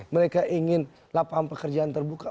mereka ingin lapangan pekerjaan terbuka